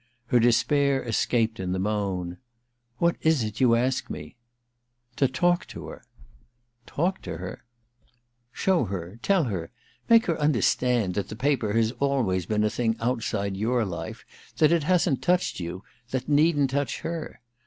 Her despair escaped in the moan, * What is it you ask me ?'* To talk to her.* * Talk to her ?'* Show her — tell her — make her understand that the paper has always been a thing outside your life — that hasn't touched you — that needn't touch her.